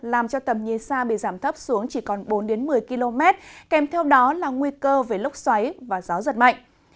làm cho tầm nhìn xa bị giảm thấp xuống chỉ còn bốn một mươi km kèm theo đó là nguy cơ về lốc xoáy và gió giật mạnh